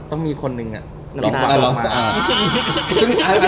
ต้องมีคนหนึ่งอะ